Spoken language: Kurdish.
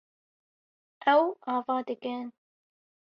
Ew ava dikin.